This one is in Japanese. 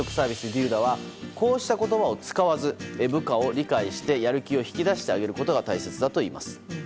ｄｏｄａはこうした言葉を使わずに部下を理解してやる気を引き出してあげることが大切だといいます。